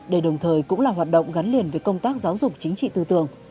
để đồng thời cũng là hoạt động gắn liền với công tác giáo dục chính trị tư tưởng